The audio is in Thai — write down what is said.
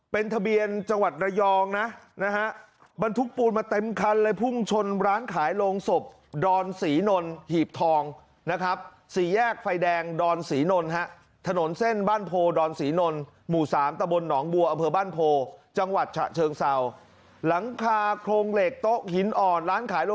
เป็นทะเบียนจังหวัดระยองนะนะฮะบรรทุกทุก